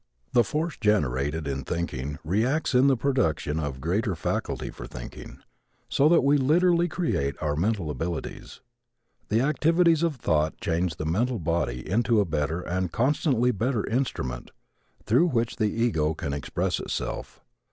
The force generated in thinking reacts in the production of greater faculty for thinking, so that we literally create our mental abilities. The activities of thought change the mental body into a better and constantly better instrument through which the ego can express itself.